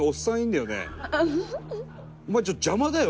お前ちょっと邪魔だよ！